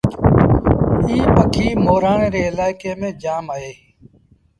ايٚ پکي مورآڻي ري الآئيڪي ميݩ جآم اهي۔